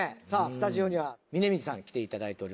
スタジオには峯水さん来ていただいております